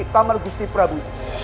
tamar gusti prabu